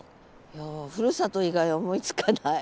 いやふるさと以外思いつかない。